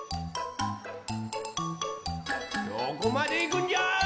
どこまでいくんじゃい！